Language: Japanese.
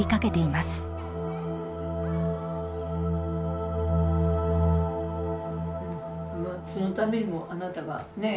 まあそのためにもあなたがねえ？